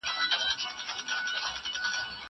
زه مړۍ خوړلي ده!